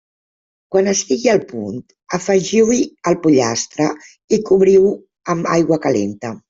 Quan estigui al punt, afegiu-hi el pollastre i cobriu-ho amb aigua calenta.